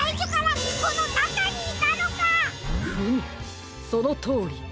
フムそのとおり。